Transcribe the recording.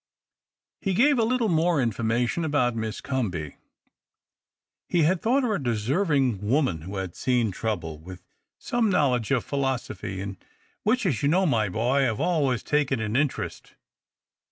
He gave a little more information about Miss Comby. He had thought her a deserving woman who had seen trouljle, with some knowledge of philosophy —" in which, as you know, my boy, I have always taken an interest."